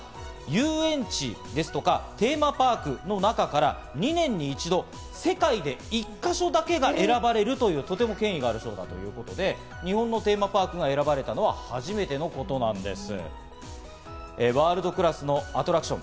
このアプローズ・アワードというのは、遊園地ですとかテーマパークの中から２年に一度、世界で１か所だけが選ばれるという、とても権威のある賞ということで日本のテーマパークが選ばれたのは初めてのことなんです。